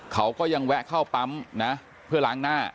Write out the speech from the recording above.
เขาก็ยังแวะเข้าปั๊มนะเพื่อล้างหน้า